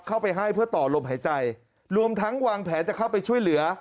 เข้าไปให้เพื่อต่อลมหายใจรวมทั้งวางแผนจะเข้าไปช่วยเหลือ